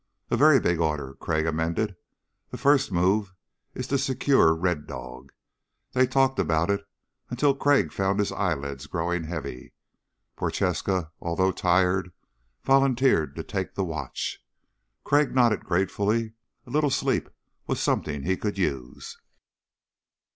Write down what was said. "A very big order," Crag amended. "The first move is to secure Red Dog." They talked about it until Crag found his eyelids growing heavy. Prochaska, although tired, volunteered to take the watch. Crag nodded gratefully a little sleep was something he could use.